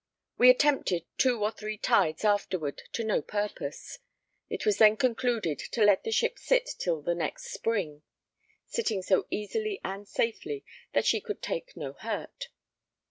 We attempted two or three tides afterward to no purpose; it was then concluded to let the ship sit till the next spring, sitting so easily and safely that she could take no hurt.